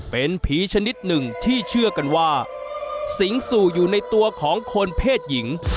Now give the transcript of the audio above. เป็นผีชนิดหนึ่งที่เชื่อกันว่าสิงสู่อยู่ในตัวของคนเพศหญิง